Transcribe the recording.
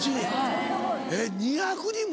えっ２００人も？